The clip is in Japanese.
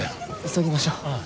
急ぎましょう！